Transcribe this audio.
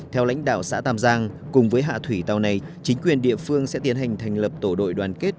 theo lãnh đạo xã tam giang cùng với hạ thủy tàu này chính quyền địa phương sẽ tiến hành thành lập tổ đội đoàn kết